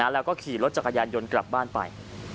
แล้วก็ขี่รถจักรยานยนต์กลับบ้านไป